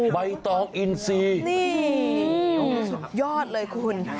ใบตองอินซีนี่สุดยอดเลยคุณ